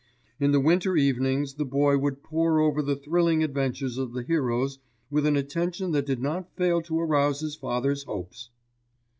In the winter evenings the boy would pore over the thrilling adventures of the heroes with an attention that did not fail to arouse his father's hopes.